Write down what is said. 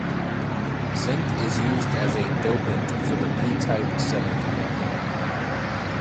Zinc is used as a dopant for the p-type semiconductor.